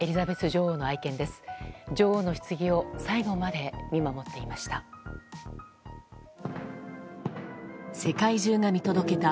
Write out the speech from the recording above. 女王のひつぎを最後まで見守っていました。